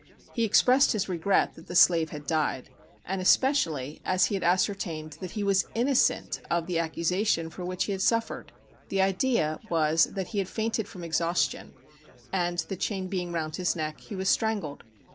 He expressed his regret that the slave had died, and especially as he had ascertained that he was innocent of the accusation for which he had suffered. The idea was that he had fainted from exhaustion; and, the chain being round his neck, he was strangled.